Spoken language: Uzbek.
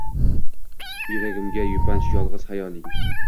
Yuragimga yupanch yolg‘iz xayoling